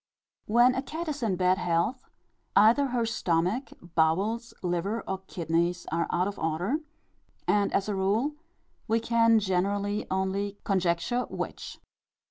When a cat is in bad health, either her stomach, bowels, liver, or kidneys, are out of order; and as a rule we can generally only conjecture which.